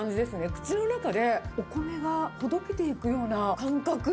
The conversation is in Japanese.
口の中でお米がほどけていくような感覚。